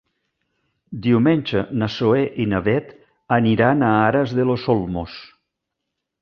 Diumenge na Zoè i na Bet aniran a Aras de los Olmos.